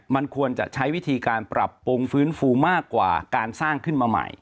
มันควรจะใช้วิธีการปรับปรุงฟื้นฟูมากกว่าการสร้างขึ้นมาใหม่